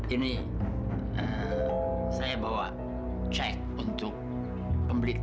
ini saya bawa cek untuk pembeli tiket